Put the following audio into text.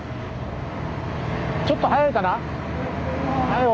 ちょっと早いかな？